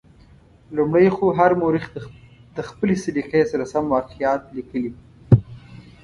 لومړی خو هر مورخ د خپلې سلیقې سره سم واقعات لیکلي.